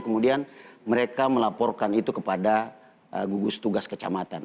kemudian mereka melaporkan itu kepada gugus tugas kecamatan